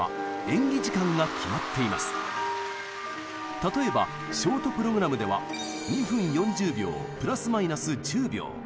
例えばショート・プログラムでは２分４０秒プラスマイナス１０秒。